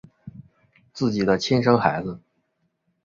自己的亲生孩子